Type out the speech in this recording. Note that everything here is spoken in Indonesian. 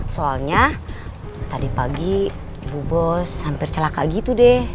soalnya tadi pagi ibu bos hampir celaka gitu deh